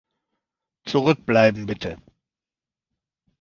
Zurückbleiben bitte!